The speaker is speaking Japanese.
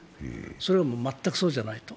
それは全くそうじゃないと。